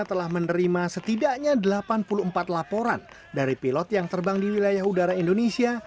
telah menerima setidaknya delapan puluh empat laporan dari pilot yang terbang di wilayah udara indonesia